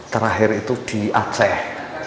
terakhir itu di aceh